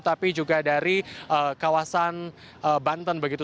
tapi juga dari kawasan banten begitu